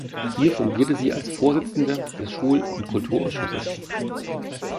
Hier fungierte sie als Vorsitzende des Schul- und Kulturausschusses.